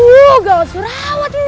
aduh gawat surawat ini